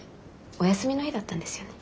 お休みの日だったんですよね？